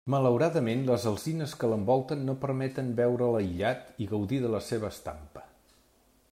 Malauradament, les alzines que l'envolten no permeten veure'l aïllat i gaudir de la seua estampa.